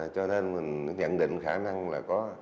cho nên mình nhận định khả năng là có